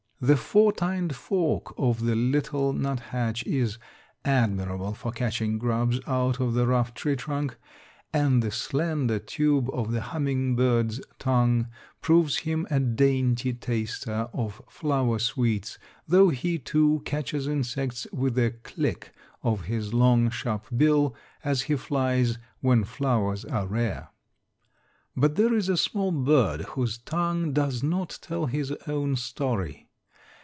"The four tined fork" of the little nuthatch is admirable for catching grubs out of the rough tree trunk, and the slender tube of the humming bird's tongue proves him a dainty taster of flower sweets, though he, too, catches insects, with a click of his long, sharp bill as he flies, when flowers are rare. But there is a small bird whose tongue does not tell his own story.